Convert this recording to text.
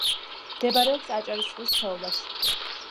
მდებარეობს აჭარისწყლის ხეობაში.